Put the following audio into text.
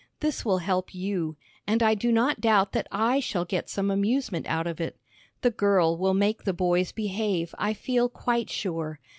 This will help you, and I do not doubt that I shall get some amusement out of it. The girl will make the boys behave, I feel quite sure.